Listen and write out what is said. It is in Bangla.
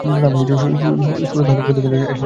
সুরতহাল প্রতিবেদনেও এসব চিহ্নের কথা উল্লেখ ছিল।